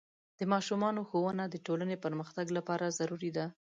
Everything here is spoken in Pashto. د ماشومانو ښوونه د ټولنې پرمختګ لپاره ضروري ده.